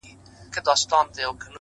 • له پاڼو تشه ونه,